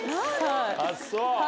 あっそう。